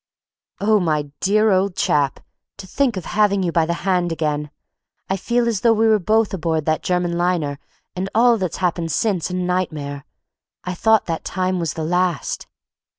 "Oh, my dear old chap, to think of having you by the hand again! I feel as though we were both aboard that German liner, and all that's happened since a nightmare. I thought that time was the last!"